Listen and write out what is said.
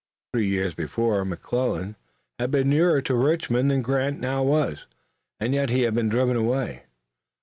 Three years before, McClellan had been nearer to Richmond than Grant now was, and yet he had been driven away.